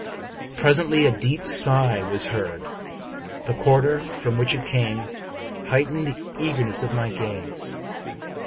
Pres ently, a deep sigh was heard. The quarter from which it came heightened the eagerness of my gaze.